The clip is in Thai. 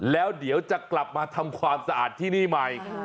แล้วเดี๋ยวจะกลับมาทำความสะอาดที่นี่ใหม่